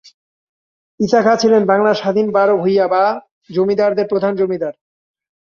ঈসা খাঁ ছিলেন বাংলার স্বাধীন বারো ভূঁইয়া বা জমিদারদের প্রধান জমিদার।